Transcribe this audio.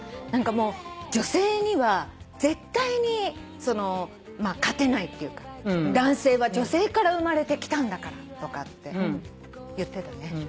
「何かもう女性には絶対に勝てないっていうか男性は女性から産まれてきたんだから」とかって言ってたね。